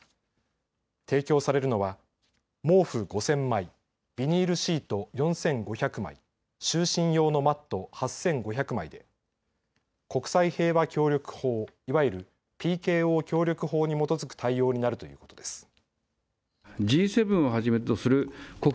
提供されるのは毛布５０００枚、ビニールシート４５００枚、就寝用のマット８５００枚で国際平和協力法、いわゆるＰＫＯ協力法に基づく対応になるということです。